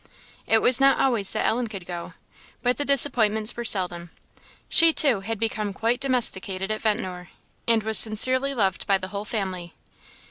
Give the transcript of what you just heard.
It was not always that Ellen could go, but the disappointments were seldom; she, too, had become quite domesticated at Ventnor, and was sincerely loved by the whole family.